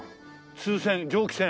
通船蒸気船。